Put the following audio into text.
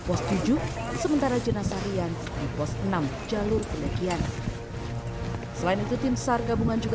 pos tujuh sementara jenazah rian di pos enam jalur pendakian selain itu tim sar gabungan juga